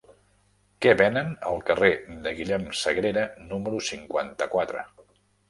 Què venen al carrer de Guillem Sagrera número cinquanta-quatre?